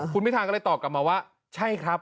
คุณพิทาริมไตรดริมก็เลยตอบกลับมาว่าใช่ครับ